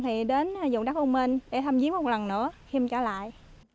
thì đến vườn đất âu minh để thăm giếm một lần nữa khi mình trở lại